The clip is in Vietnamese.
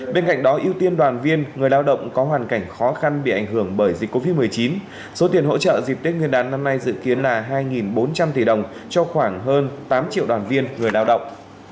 bên cạnh đó ưu tiên đoàn viên người lao động có hoàn cảnh khó khăn bị ảnh hưởng bởi dịch covid một mươi chín số tiền hỗ trợ dịp tết nguyên đán năm nay dự kiến là hai bốn trăm linh tỷ đồng cho khoảng hơn tám triệu đoàn viên người lao động